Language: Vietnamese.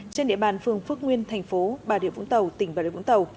trên địa bàn phương phước nguyên tp hcm